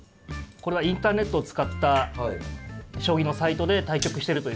これはインターネットを使った将棋のサイトで対局してるということですね。